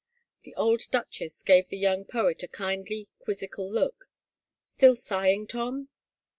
The old duchess gave the young poet a kindly quizzical look. " Still sighing, Tom